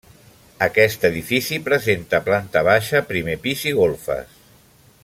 Aquest edifici presenta planta baixa, primer pis i golfes.